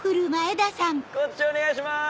こっちお願いします！